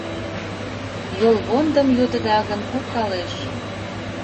Йолвондым йодыда гын, укалеш.